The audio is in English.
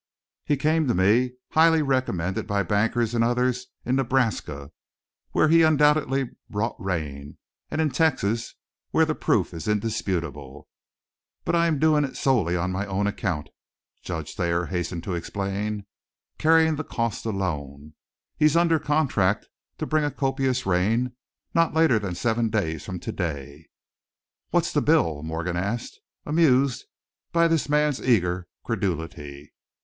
"He came to me highly recommended by bankers and others in Nebraska, where he undoubtedly brought rain, and in Texas, where the proof is indisputable. But I'm doing it solely on my own account," Judge Thayer hastened to explain, "carrying the cost alone. He's under contract to bring a copious rain not later than seven days from today." "What's the bill?" Morgan asked, amused by this man's eager credulity.